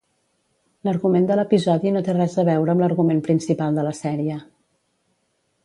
L'argument de l'episodi no té res a veure amb l'argument principal de la sèrie.